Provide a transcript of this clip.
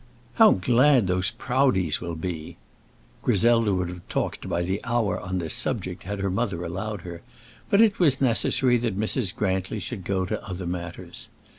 "How glad those Proudies will be!" Griselda would have talked by the hour on this subject had her mother allowed her, but it was necessary that Mrs. Grantly should go to other matters.